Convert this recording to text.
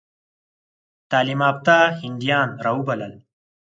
تعلیم یافته هندیان را وبلل.